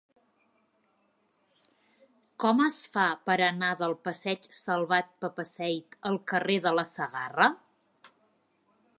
Com es fa per anar del passeig de Salvat Papasseit al carrer de la Segarra?